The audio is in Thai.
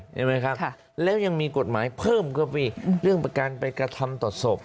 ใช่ไหมครับแล้วยังมีกฎหมายเพิ่มเข้าไปอีกเรื่องประการไปกระทำต่อศพ